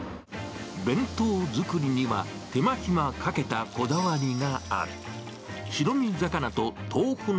弁当作りには、手間暇かけたこだわりがある。